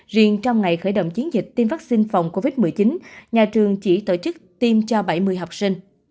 riêng trong ngày khởi động chiến dịch tiêm vaccine phòng covid một mươi chín nhà trường chỉ tổ chức tiêm cho bảy mươi học sinh